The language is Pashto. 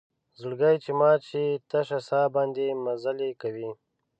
زړګۍ چې مات شي تشه سا باندې مزلې کوي